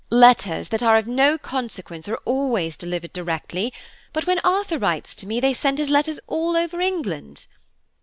"Letters that are of no consequence are always delivered directly, but when Arthur writes to me, they send his letters all over England.